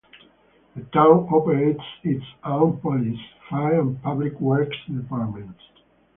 The town operates its own police, fire and public works departments.